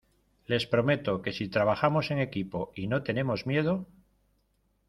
les prometo que si trabajamos en equipo y no tenemos miedo